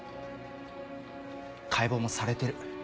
解剖もされてる。